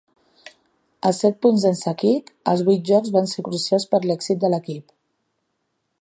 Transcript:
Els set punts de"n Sakic als vuit jocs van ser crucials per l"èxit de l"equip.